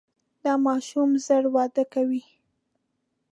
دا ماشوم ژر وده کوي.